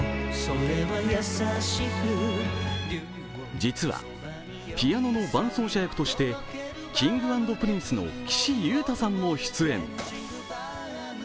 実は、ピアノの伴奏者役としてＫｉｎｇ＆Ｐｒｉｎｃｅの岸優太さんも出演。